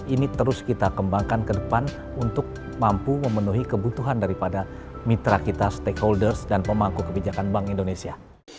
ini terus kita kembangkan ke depan untuk mampu memenuhi kebutuhan daripada mitra kita stakeholders dan pemangku kebijakan bank indonesia